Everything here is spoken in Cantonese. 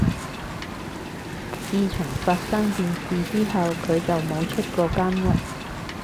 自從發生件事之後，佢就冇出過間屋